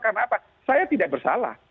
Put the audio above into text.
karena apa saya tidak bersalah